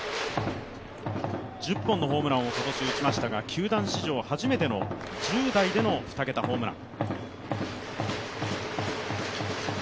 １０本のホームランを今年打ちましたが、球団史上初めての１０代での２桁ホームラン。